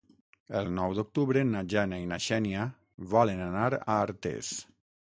El nou d'octubre na Jana i na Xènia volen anar a Artés.